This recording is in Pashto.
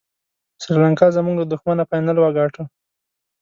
سریلانکا زموږ له دښمنه فاینل وګاټه.